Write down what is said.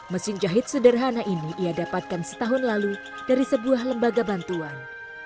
mesin jahit sederhana ini ia dapatkan setahun lalu dari sebuah lembaga bantuan